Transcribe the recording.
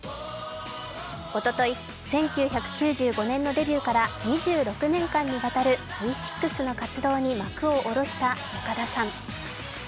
おととい、１９９５年のデビューから２６年にわたるＶ６の活動に幕を下ろした岡田さん。